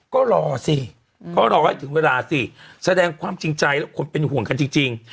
ก็รอสิก็รอให้ถึงเวลาสิแสดงความจริงใจและคนเป็นห่วงกันจริง